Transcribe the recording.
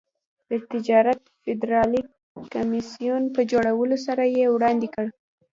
د تجارت فدرالي کمېسیون په جوړولو سره یې وړاندې کړ.